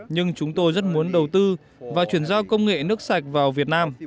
nhưng chúng tôi rất muốn đầu tư và chuyển giao công nghệ nước sạch vào việt nam